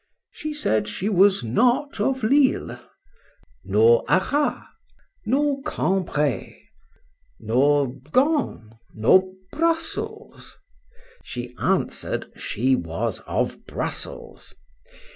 —She said, she was not of Lisle.—Nor Arras?—nor Cambray?—nor Ghent?—nor Brussels?—She answered, she was of Brussels.